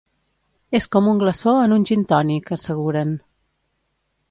És com un glaçó en un gintònic, asseguren.